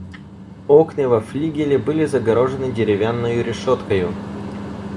Окны во флигеле были загорожены деревянною решеткою.